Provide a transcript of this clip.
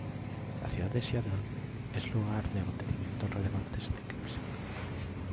La ciudad de Seattle es lugar de acontecimientos relevantes en "Eclipse".